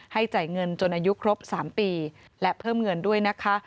จ่ายเงินจนอายุครบ๓ปีและเพิ่มเงินด้วยนะคะ